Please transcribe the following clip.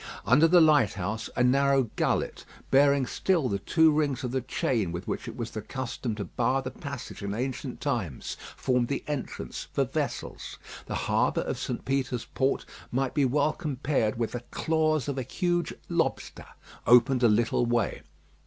Under this lighthouse, a narrow gullet, bearing still the two rings of the chain with which it was the custom to bar the passage in ancient times, formed the entrance for vessels. The harbour of St. Peter's Port might be well compared with the claws of a huge lobster opened a little way.